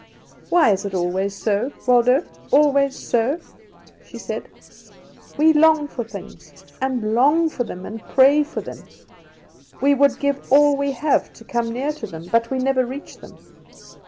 "Why is it always so, Waldo, always so?" she said; "we long for things, and long for them, and pray for them; we would give all we have to come near to them, but we never reach them.